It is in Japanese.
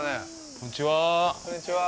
こんにちは。